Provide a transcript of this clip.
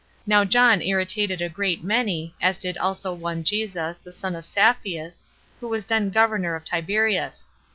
Now John irritated a great many, as did also one Jesus, the son of Sapphias, who was then governor of Tiberias.